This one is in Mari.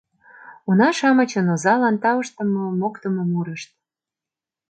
Уна-шамычын озалан тауштымо, моктымо мурышт.